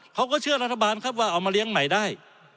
เขาก็เชื่อรัฐบาลครับว่าเอามาเลี้ยงใหม่ได้